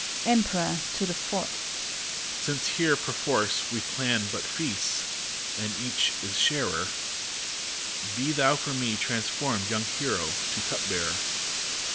EicpEROR (to the Fourth). Since here, perforce, we plan but feasts, and each is sharer, Be thou for me transformed, young hero, to Cup Bearer!